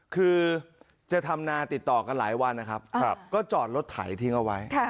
คือจะทำนาติดต่อกันหลายวันนะครับก็จอดรถไถทิ้งเอาไว้